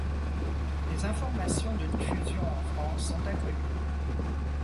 Les informations de diffusion en France sont inconnues.